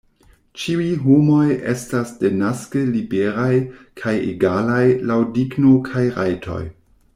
Ĉiuj homoj estas denaske liberaj kaj egalaj laŭ digno kaj rajtoj.